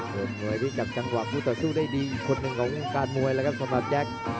เป็นมวยที่จับจังหวะคู่ต่อสู้ได้ดีอีกคนหนึ่งของวงการมวยแล้วครับสำหรับแจ็ค